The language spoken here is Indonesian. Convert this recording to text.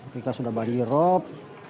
kita sudah banjir rob